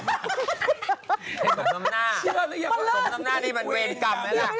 สมทำหน้านี่มันเวนกรรมน์เลยละ